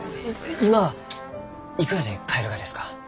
今はいくらで買えるがですか？